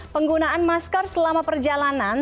penggunaan masker selama perjalanan